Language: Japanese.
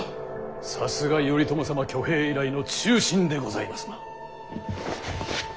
さすが頼朝様挙兵以来の忠臣でございますな。